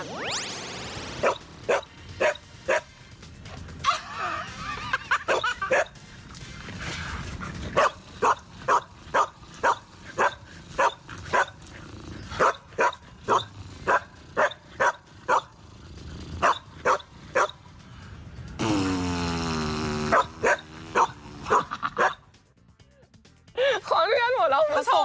ขอขอบคุณทุกคนหมดแล้วคุณผู้ชม